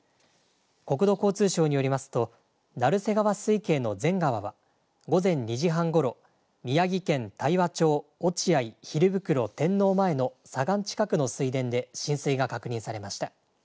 国土交通省によりますと、鳴瀬川水系の善川は、午前２時半ごろ、宮城県大和町落合蒜袋天王前の左岸近くの水田で、浸水が確認されました。